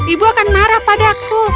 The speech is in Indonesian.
ibu akan marah padaku